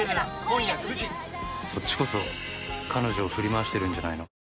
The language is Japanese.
「そっちこそ彼女を振り回してるんじゃないの？」